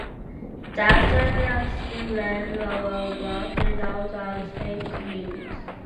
Thus, Taverny and Saint-Leu were both restored as separate communes.